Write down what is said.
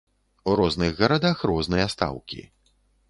У розных гарадах розныя стаўкі.